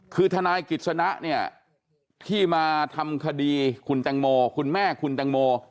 คือทนายกิจสนะเนี่ยที่มาทำคดีคุณแตงโมคุณแม่คุณแตงโม